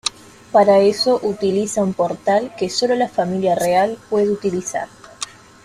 Para eso utiliza un portal que solo la familia real puede utilizar.